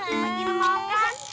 pagi mau kan